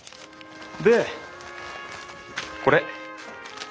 でこれ。